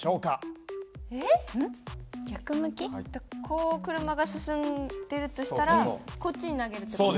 こう車が進んでるとしたらこっちに投げるって事？